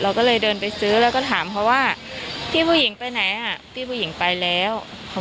ก็เลยเดินไปซื้อแล้วก็ถามเขาว่าพี่ผู้หญิงไปไหนอ่ะพี่ผู้หญิงไปแล้ว